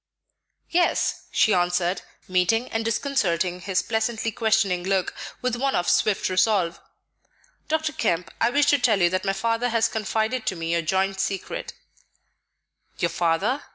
"Yes," she answered, meeting and disconcerting his pleasantly questioning look with one of swift resolve. "Dr. Kemp, I wish to tell you that my father has confided to me your joint secret." "Your father?"